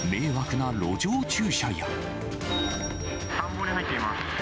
田んぼに入っています。